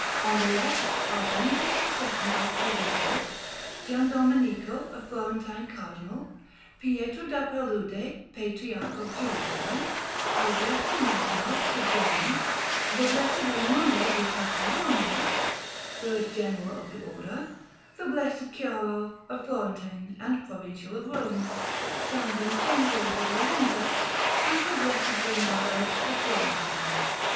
On the left are Benedict II of Treviso; Giandomenico, a Florentine Cardinal; Pietro da Palude, Patriarch of Jerusalem; Alberto Magno, a German; the Blessed Raimondo di Catalonia, third General of the Order; the Blessed Chiaro, a Florentine, and Provincial of Rome; S. Vincenzio di Valenza; and the Blessed Bernardo, a Florentine.